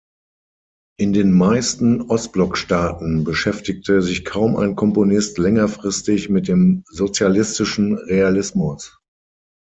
In den meisten Ostblockstaaten beschäftigte sich kaum ein Komponist längerfristig mit dem sozialistischen Realismus.